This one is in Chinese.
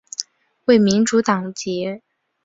为民主党籍。